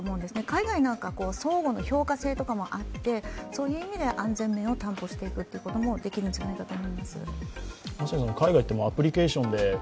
海外なんか、相互の評価制とかもあって、そういう意味では安全面を担保していくっていうこともできるんじゃないかなと。